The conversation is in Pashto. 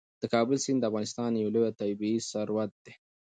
د کابل سیند د افغانستان یو لوی طبعي ثروت دی.